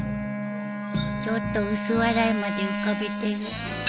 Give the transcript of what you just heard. ちょっと薄笑いまで浮かべてる